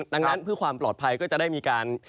ดังนั้นเพื่อความปลอดภัยก็จะได้มีการ